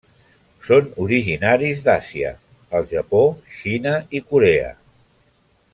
Són originaris d'Àsia al Japó Xina i Corea.